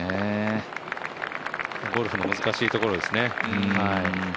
ゴルフの難しいところですね。